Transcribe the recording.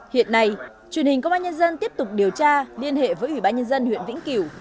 hiện nay truyền hình công an nhân dân tiếp tục điều tra liên hệ với ủy ban nhân dân huyện vĩnh kiểu